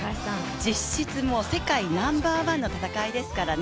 実質世界ナンバーワンの戦いですからね